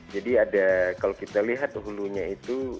jadi ada kalau kita lihat hulunya itu